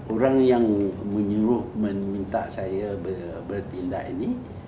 orang yang menyuruh meminta saya bertindak ini